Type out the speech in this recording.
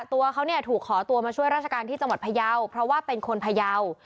ตัวเขาเนี่ยถูกขอตัวมาช่วยราชการที่จังหวัดพยาวเพราะว่าเป็นคนพยาว